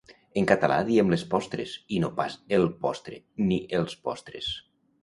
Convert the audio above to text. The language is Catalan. En català diem les postres i no pas el postre ni els postres